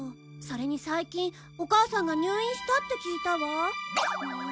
それに最近お母さんが入院したって聞いたわ。